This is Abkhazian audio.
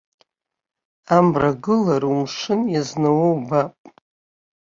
Амра гылар умшын иазнауа убап!